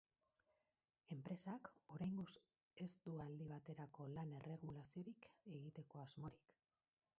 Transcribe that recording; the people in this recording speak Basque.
Enpresak oraingoz ez du aldi baterako lan-erregulaziorik egiteko asmorik.